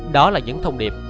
đó là những thông điệp